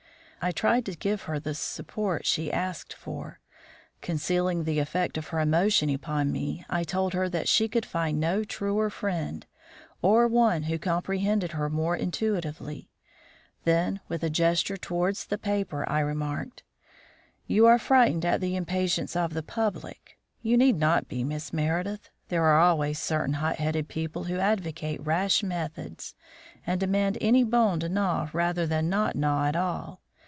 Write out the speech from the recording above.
I tried to give her the support she asked for. Concealing the effect of her emotion upon me, I told her that she could find no truer friend or one who comprehended her more intuitively; then with a gesture towards the paper, I remarked: "You are frightened at the impatience of the public. You need not be, Miss Meredith; there are always certain hot headed people who advocate rash methods and demand any bone to gnaw rather than not gnaw at all.